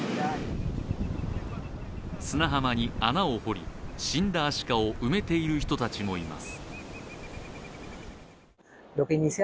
砂浜に穴を掘り、死んだアシカを埋めている人もいます。